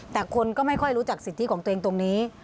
แต่คนก็ไม่ค่อยรู้จักสิทธิของตัวเองตรงนี้